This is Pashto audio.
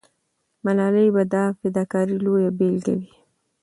ملالۍ به د فداکارۍ لویه بیلګه وي.